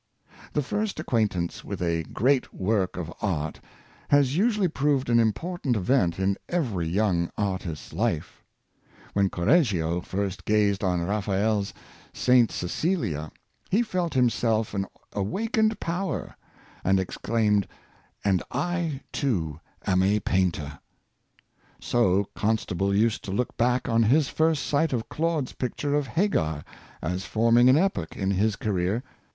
The first acquaintance with a great work of art has usually proved an important event in every young art ist's life. When Correggio first gazjed on Raphael's " Saint Cecilia," he felt within himself an awakened power, and exclaimed, " And I too am a painter! " So 1 44 Endurance of Good Example, Constable used to look back on his first sight of Claude's picture of" Hagar,'' as forming an epoch in his career.